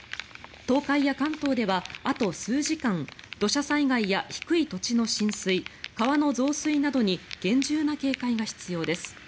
東海や関東ではあと数時間土砂災害や低い土地の浸水川の増水などに厳重な警戒が必要です。